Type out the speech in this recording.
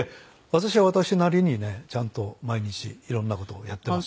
私は私なりにねちゃんと毎日いろんな事をやってます。